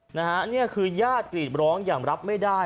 นี่คือญาติกรีดร้องอย่างรับไม่ได้